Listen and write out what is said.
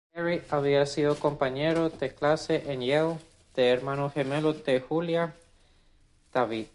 Kerry había sido compañero de clase en Yale del hermano gemelo de Julia, David.